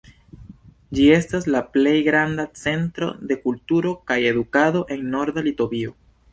Ĝi estas la plej granda centro de kulturo kaj edukado en Norda Litovio.